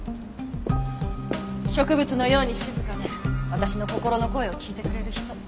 植物のように静かで私の心の声を聞いてくれる人